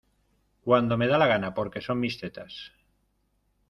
cuando me da la gana porque son mis tetas